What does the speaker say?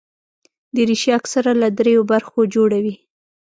دریشي اکثره له درېو برخو جوړه وي.